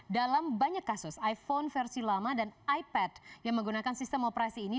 dalam banyak kasus iphone versi lama dan ipad yang menggunakan sistem operasi ini